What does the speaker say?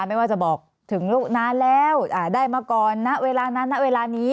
ไม่ว่าจะบอกถึงลูกนานแล้วได้มาก่อนนะเวลานั้นณเวลานี้